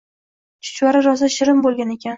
Chuchvara rosa shirin bo’lgan ekan.